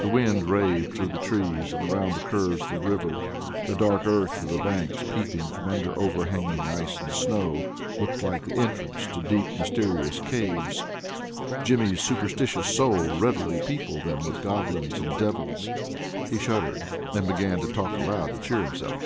The wind raved through the trees, and around the curves of the river. The dark earth of the banks peeping from under overhanging ice and snow, looked like the entrance to deep mysterious caves. Jimmy's superstitious soul readily peopled them with goblins and devils. He shuddered, and began to talk aloud to cheer himself.